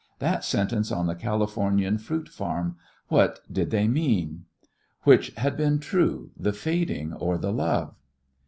that sentence on the Californian fruit farm what did they mean? Which had been true, the fading or the love?